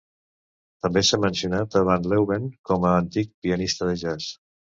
També s'ha mencionat a Van Leeuwen com a antic pianista de jazz.